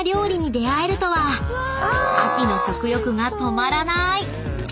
［秋の食欲が止まらない！］